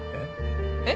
えっ？